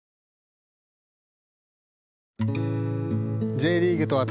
「Ｊリーグと私」